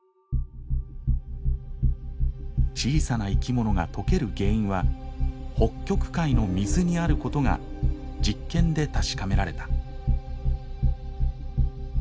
小さな生き物が溶ける原因は北極海の水にあることが実験で確かめられた。